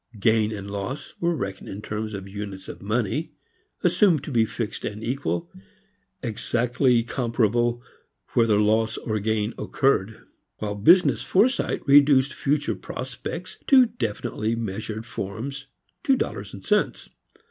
Gain and loss were reckoned in terms of units of money, assumed to be fixed and equal, exactly comparable whether loss or gain occurred, while business foresight reduced future prospects to definitely measured forms, to dollars and cents.